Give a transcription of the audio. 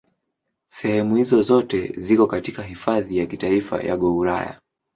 Sehemu hizo zote ziko katika Hifadhi ya Kitaifa ya Gouraya.